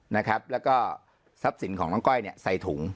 แล้วก็ทรัพย์สินของน้องก้อยเนี่ยใส่ถุง